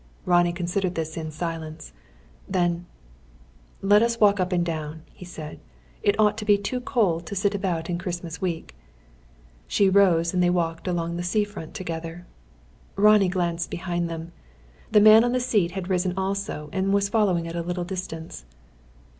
Ronnie considered this in silence. Then: "Let's walk up and down," he said. "It ought to be too cold to sit about in Christmas week." She rose and they walked along the sea front together. Ronnie glanced behind them. The man on the seat had risen also and was following at a little distance.